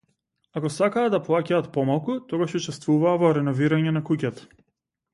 Ако сакаа да плаќаат помалку, тогаш учествуваа во реновирање на куќата.